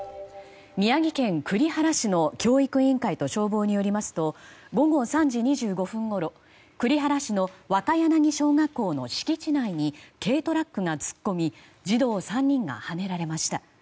宮城県栗原市の教育委員会と消防によりますと午後３時２５分ごろ栗原市の若柳小学校の敷地内に軽トラックが突っ込み児童３人がはねられました。